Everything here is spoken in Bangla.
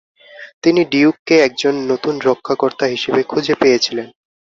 তিনি ডিউককে একজন নতুন রক্ষাকর্তা হিসাবে খুঁজে পেয়েছিলেন।